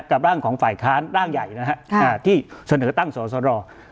ร่างของฝ่ายค้านร่างใหญ่นะฮะที่เสนอตั้งสอสร